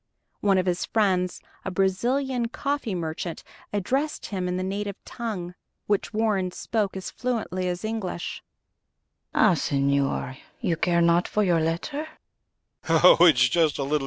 One of his friends, a Brazilian coffee merchant, addressed him in the native tongue, which Warren spoke as fluently as English. "Ah, señor, you care not for your letter?"